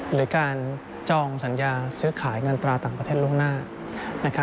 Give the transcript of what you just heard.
หรือการจองสัญญาซื้อขายเงินตราต่างประเทศล่วงหน้า